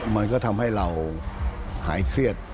มันก็ทำให้เราหายเครียด